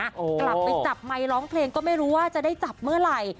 กลับไปจับไมค์ร้องเพลงก็ไม่รู้ว่าจะได้จับเมื่อไหร่